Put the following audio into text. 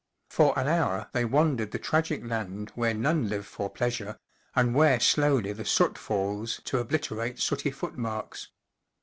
For an hour they wandered the tragic land where none live for pleasure, and where slowly the soot falls to obliterate sooty footmarks.